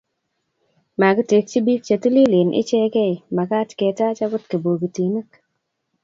Makitekchi biik chetililen ichekei, makaat ketach akot kibokitinik